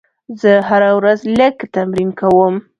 زه هره ورځ لږ تمرین کوم.